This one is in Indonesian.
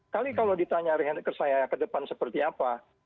kali kalau ditanya rehecker saya ke depan seperti apa